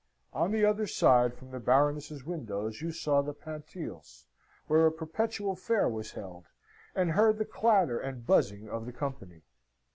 On the other side from the Baroness's windows you saw the Pantiles, where a perpetual fair was held, and heard the clatter and buzzing of the company.